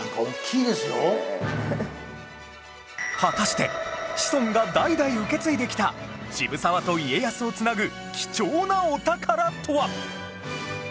果たしてシソンが代々受け継いできた渋沢と家康を繋ぐ貴重なお宝とは？